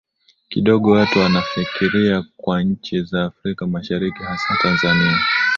kidogo watu wanafikiria kwa nchi za afrika mashariki hasa tanzania